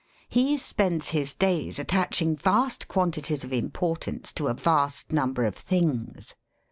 He spends his days attaching vast quantities of im portance to a vast number of things.